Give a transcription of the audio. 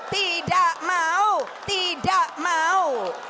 tidak mau tidak mau